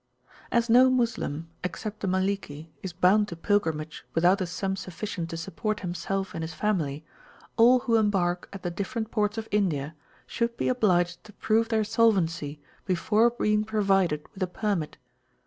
As no Moslem, except the Maliki, is bound to pilgrimage without a sum sufficient to support himself and his family, all who embark at the different ports of India should be obliged to prove their solvency before being provided with a permit.